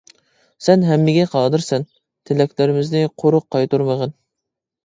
سەن ھەممىگە قادىرسەن، تىلەكلىرىمىزنى قورۇق قايتۇرمىغىن!